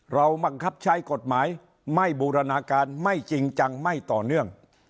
บังคับใช้กฎหมายไม่บูรณาการไม่จริงจังไม่ต่อเนื่อง